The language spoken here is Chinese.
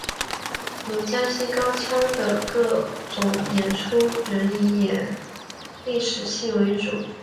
如江西高腔的各种演出仍以演历史戏为主。